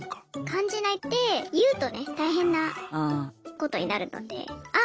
感じないって言うとね大変なことになるのであ